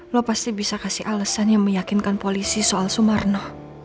lo pasti bisa kasih alesan yang meyakinkan polisi soal sumarno